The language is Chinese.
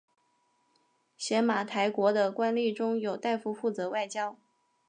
邪马台国的官吏中有大夫负责外交。